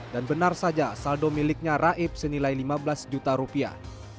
dan benar saja saldo miliknya raib senilai lima belas juta rupiah